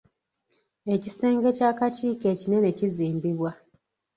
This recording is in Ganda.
Ekisenge ky'akakiiko ekinene kizimbibwa.